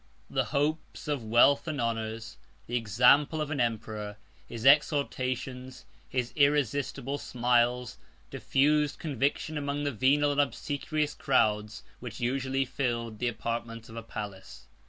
72 The hopes of wealth and honors, the example of an emperor, his exhortations, his irresistible smiles, diffused conviction among the venal and obsequious crowds which usually fill the apartments of a palace.